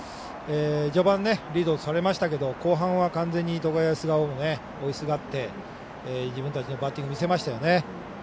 序盤、リードされましたけど後半は完全に東海大菅生も追いすがって自分たちのバッティングを見せましたよね。